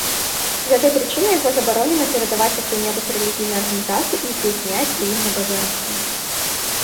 З гэтай прычыны яго забаронена перадаваць якой-небудзь рэлігійнай арганізацыі і здзяйсняць у ім набажэнствы.